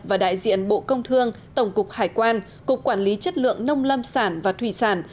và đại diện bộ công thương tổng cục hải quan cục quản lý chất lượng nông lâm sản và thủy sản